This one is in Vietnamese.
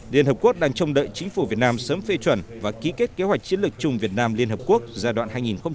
liên hợp quốc đang trông đợi chính phủ việt nam sớm phê chuẩn và ký kết kế hoạch chiến lược chung việt nam liên hợp quốc giai đoạn hai nghìn hai mươi hai nghìn hai mươi một